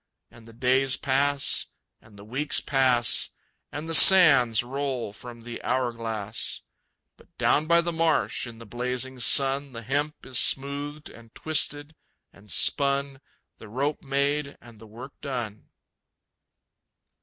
And the days pass, and the weeks pass, And the sands roll from the hour glass. But down by the marsh in the blazing sun The hemp is smoothed and twisted and spun, The rope made, and the work done.